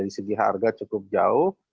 dari segi harga cukup jauh